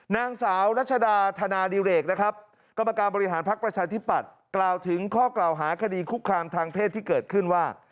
นางสาวรัชดาธนาดิเรกนะครับกรรมการบริหารพักประชาธิปัตย์กล่าวถึงข้อกล่าวหาคดีคุกคามทางเพศที่เกิดขึ้นว่า